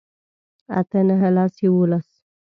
اتۀ نهه لس يوولس